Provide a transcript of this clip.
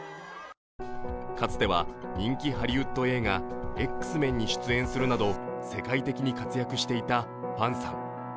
かつては人気ハリウッド映画「Ｘ−ＭＥＮ」に出演するなど世界的に活躍していたファンさん。